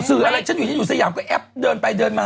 สื่ออะไรจะอยู่ที่สยามก็แอฟเดินไปเดินมา